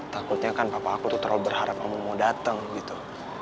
takutnya kan papa aku tuh terlalu berharap kamu mau datang gitu